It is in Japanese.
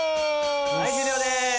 はい終了です。